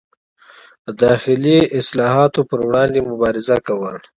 داخلي اصلاحاتو پر وړاندې مبارزه کوله.